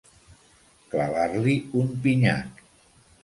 Clavar-li un pinyac.